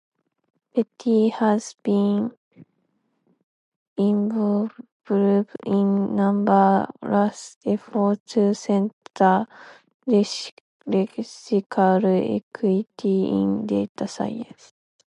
Petty has been involved in numerous efforts to center racial equity in data science.